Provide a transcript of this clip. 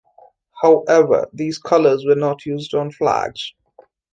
However, these colors were not used on flags.